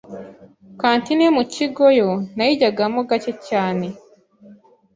canteen yo mu kigo yo nayijyagamo gake cyane